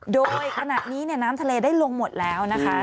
โดยขนาดนี้น้ำทะเลได้ลงหมดแล้วนะคะ